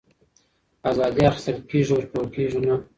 آزادي اخيستل کېږي ورکول کېږي نه